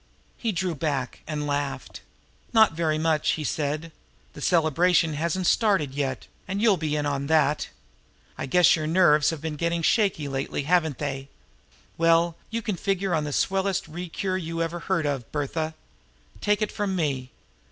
He drew back, and laughed. "Not very much," he said. "The celebration hasn't started yet, and you'll be in on that. I guess your nerves have been getting shaky lately, haven't they? Well, you can figure on the swellest rest cure you ever heard of, Bertha. Take it from me!